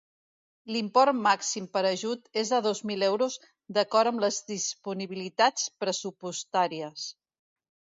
L'import màxim per ajut és de dos mil euros d'acord amb les disponibilitats pressupostàries.